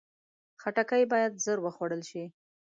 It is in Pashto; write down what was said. خټکی باید ژر وخوړل شي.